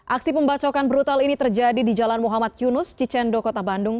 aksi pembacokan brutal ini terjadi di jalan muhammad yunus cicendo kota bandung